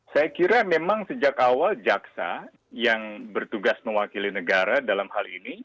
saya kira memang sejak awal jaksa yang bertugas mewakili negara